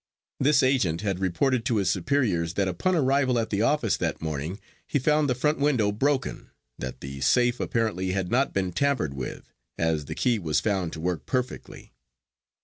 This agent had reported to his superiors that upon arrival at the office that morning he found the front window broken, that the safe apparently had not been tampered with, as the key was found to work perfectly.